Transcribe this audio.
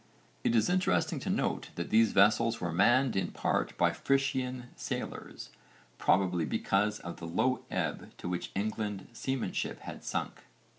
It is interesting to note that these vessels were manned in part by Frisian sailors, probably because of the low ebb to which English seamanship had sunk.